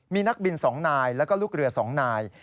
มีนักบิน๒นายแล้วก็ลูกเรือ๒นาย